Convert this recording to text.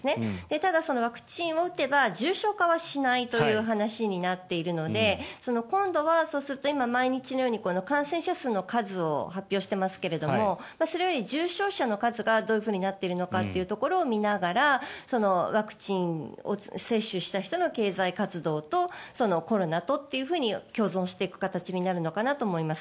ただ、ワクチンを打てば重症化はしないという話になっているので今度はそうすると今、毎日のように感染者の数を発表してますけどもそれより重症者の数がどうなっているのかを見ながらワクチン接種した人の経済活動とコロナとというふうに共存していく形になるのかなと思います。